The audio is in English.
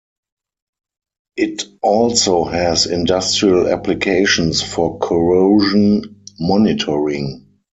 It also has industrial applications for Corrosion Monitoring.